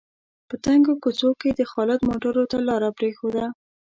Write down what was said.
په تنګو کوڅو کې خالد موټرو ته لاره پرېښوده.